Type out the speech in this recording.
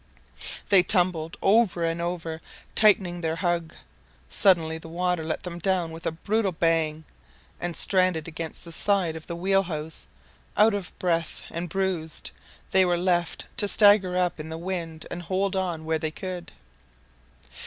They tumbled over and over, tightening their hug. Suddenly the water let them down with a brutal bang; and, stranded against the side of the wheelhouse, out of breath and bruised, they were left to stagger up in the wind and hold on where they could.